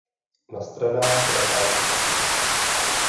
Na stranách se nachází oči.